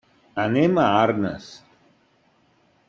Anem a Arnes.